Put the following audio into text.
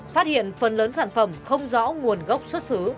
phát hiện phần lớn sản phẩm không rõ nguồn gốc xuất xứ